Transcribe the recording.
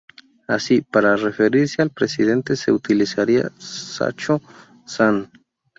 Así, para referirse al presidente se utilizaría "shachō-san".